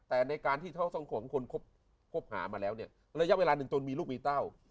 แต่ในการที่เขาสองคนคบหามาแล้วเนี่ยระยะเวลาหนึ่งจนมีลูกมีเต้า